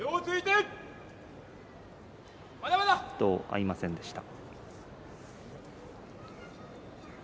合いませんでした。